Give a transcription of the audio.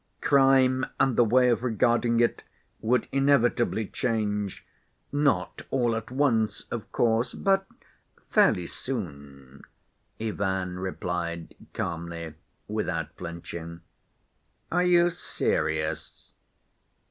Crime and the way of regarding it would inevitably change, not all at once of course, but fairly soon," Ivan replied calmly, without flinching. "Are you serious?"